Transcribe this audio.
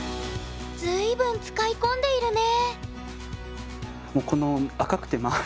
随分使い込んでいるね